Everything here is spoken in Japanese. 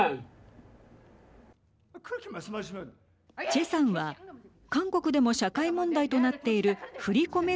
チェさんは韓国でも社会問題となっている振り込め